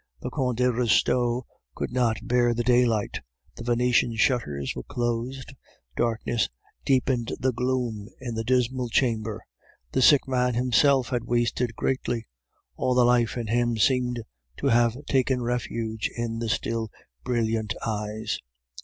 The Comte de Restaud could not bear the daylight, the Venetian shutters were closed, darkness deepened the gloom in the dismal chamber. The sick man himself had wasted greatly. All the life in him seemed to have taken refuge in the still brilliant eyes.